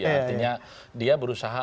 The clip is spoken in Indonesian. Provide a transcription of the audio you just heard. artinya dia berusaha